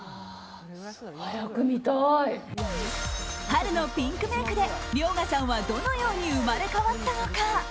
春のピンクメイクで遼河さんはどのように生まれ変わったのか。